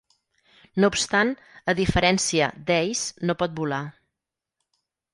No obstant, a diferència d'Ace, no pot volar.